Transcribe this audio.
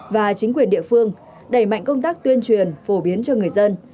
và chính quyền địa phương đẩy mạnh công tác tuyên truyền phổ biến cho người dân